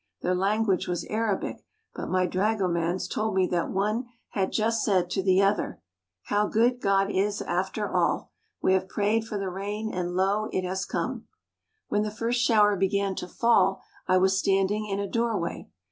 Their language was Arabic, but my dragomans told me that one had just said to the other: "How good God is, after all. We have prayed for the rain and, lo, it has come." When the first shower began to fall I was standing in a doorway.